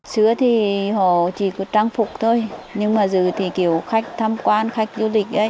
xưa thì họ chỉ có trang phục thôi nhưng mà giờ thì kiểu khách tham quan khách du lịch ấy